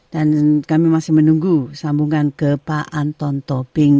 dan kami masih menunggu sambungan ke pak anton tontol